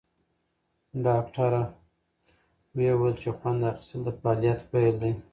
ډاکټره وویل چې خوند اخیستل د فعالیت پیل دی.